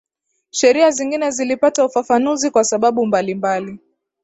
sheria zingine zilipata ufafanuzi kwa sababu mbalimbali